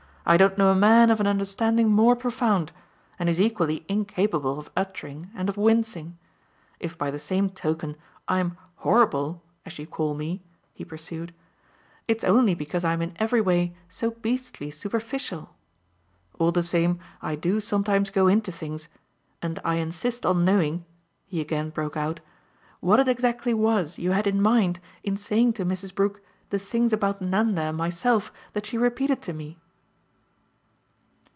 "I don't know a man of an understanding more profound, and he's equally incapable of uttering and of wincing. If by the same token I'm 'horrible,' as you call me," he pursued, "it's only because I'm in everyway so beastly superficial. All the same I do sometimes go into things, and I insist on knowing," he again broke out, "what it exactly was you had in mind in saying to Mrs. Brook the things about Nanda and myself that she repeated to me."